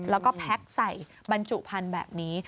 แล้วก็แพ็คใส่บรรจุพันธุ์แบบนี้